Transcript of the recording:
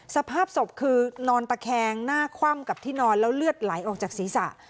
สภาพศพคือนอนตะแคงหน้าคว่ำกับที่นอนแล้วเลือดไหลออกจากศีรษะ